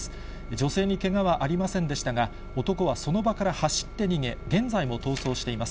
女性にけがはありませんでしたが、男はその場から走って逃げ、現在も逃走しています。